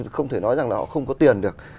không thể nói rằng là họ không có tiền được